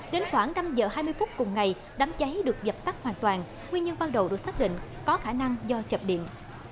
đến khoảng năm giờ hai mươi phút cùng ngày đám cháy được dập tắt hoàn toàn nguyên nhân ban đầu được xác định có khả năng do chập điện